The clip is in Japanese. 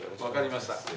分かりました。